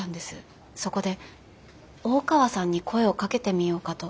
そこで大川さんに声をかけてみようかと。